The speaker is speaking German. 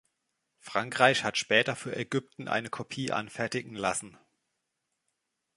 Frankreich hat später für Ägypten eine Kopie anfertigen lassen.